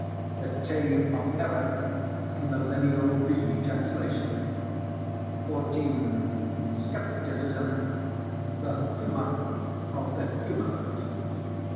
The Chain of Error in the Lineal B Translation. 14. Skepticism the Humor of the Humorless.